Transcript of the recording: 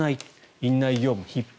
院内業務ひっ迫。